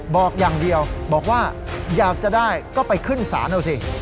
บอกอย่างเดียวบอกว่าอยากจะได้ก็ไปขึ้นศาลเอาสิ